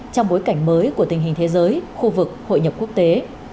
trong bối cảnh mới của tình hình thế giới khu vực hội nhập quốc tế